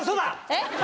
えっ？